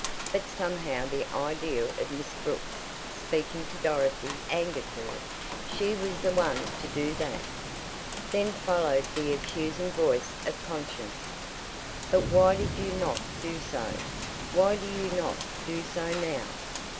But somehow the idea of Miss Brooks speaking to Dorothy angered her she was the one to do that. Then followed the accusing voice of conscience: "But why did you not do so? Why do you not do so now?"